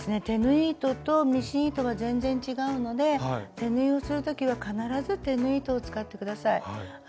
手縫い糸とミシン糸は全然違うので手縫いをする時は必ず手縫い糸を使って下さい。